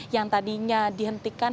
yang tadinya dihentikan